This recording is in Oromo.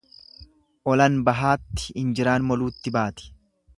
Olan bahaatti injiraan moluutti baati.